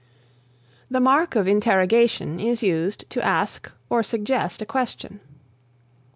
The Mark of Interrogation is used to ask or suggest a question.